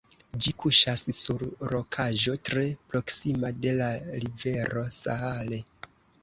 Ĝi kuŝas sur rokaĵo tre proksima de la rivero Saale.